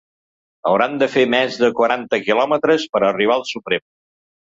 Hauran de fer més de quaranta quilòmetres per a arribar al Suprem.